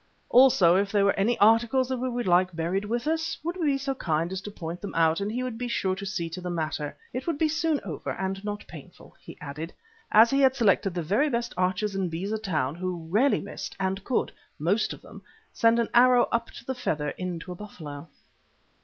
Also, if there were any articles that we would like buried with us, would we be so kind as to point them out and he would be sure to see to the matter. It would be soon over, and not painful, he added, as he had selected the very best archers in Beza Town who rarely missed and could, most of them, send an arrow up to the feather into a buffalo.